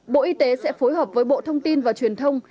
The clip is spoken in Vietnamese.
bộ y tế sẽ phối hợp với bộ thông tin và truyền thông